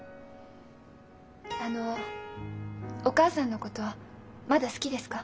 あのお母さんのことまだ好きですか？